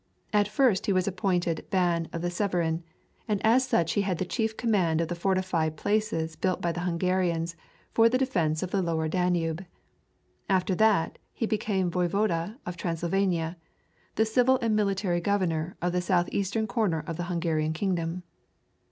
At first he was appointed Ban of Severin, and as such had the chief command of the fortified places built by the Hungarians for the defence of the Lower Danube. After that he became Voyvode of Transylvania, the civil and military governor of the southeastern corner of the Hungarian kingdom.